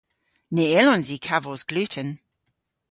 Ny yllons i kavos gluten.